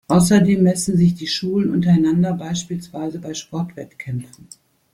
Außerdem messen sich die Schulen untereinander beispielsweise bei Sportwettkämpfen.